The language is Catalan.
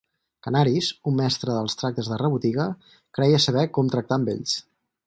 Canaris, un mestre dels tractes de rebotiga, creia saber com tractar amb ells.